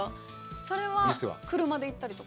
それは、車で行ったりとか。